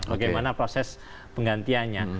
bagaimana proses penggantiannya